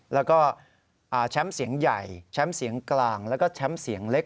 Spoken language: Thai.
แล้วก็แชมป์เสียงใหญ่แชมป์เสียงกลางแล้วก็แชมป์เสียงเล็ก